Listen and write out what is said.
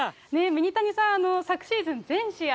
ミニタニさん、昨シーズン、全試合